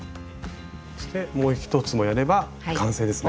そしてもう１つもやれば完成ですね。